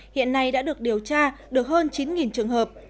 hiện nay đã được điều tra được hơn chín trường hợp